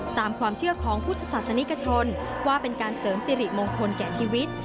ตามความเชื่อของพุทธศาสนิกชนว่าเป็นการเสริมสิริมงคลแก่ชีวิต